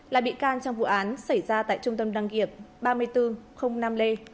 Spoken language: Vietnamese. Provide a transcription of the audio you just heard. là bị can trong vụ án xảy ra tại trung tâm đăng kiểm ba nghìn bốn trăm linh năm d